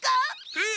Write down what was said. えっ！？